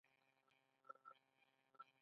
آیا او همکاري زموږ لاره نه ده؟